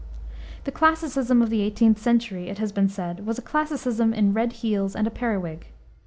The classicism of the 18th century, it has been said, was a classicism in red heels and a periwig.